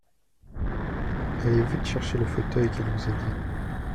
Allez vite chercher le fauteuil qu’elle vous a dit.